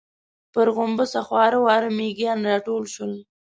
پر غومبسه خواره واره مېږيان راټول شول.